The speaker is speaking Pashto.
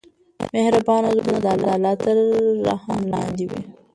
مهربان زړونه تل د الله تر رحم لاندې وي.